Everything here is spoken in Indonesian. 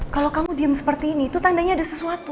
kalau kamu diem seperti ini itu tandanya ada sesuatu